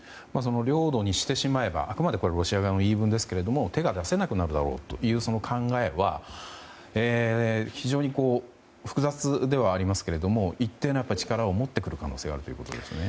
領土にしてしまえばあくまでロシア側の言い分ですけど手が出せなくなるだろうというその考えは非常に複雑ではありますが一定の力を持ってくる可能性があるということですね。